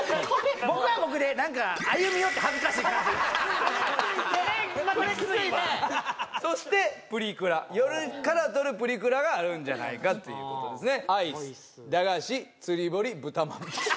僕は僕でなんかこれまたキツいねそしてプリクラ夜から撮るプリクラがあるんじゃないかということですね